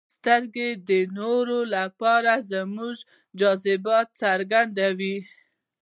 • سترګې د نورو لپاره زموږ د جذباتو څرګندوي.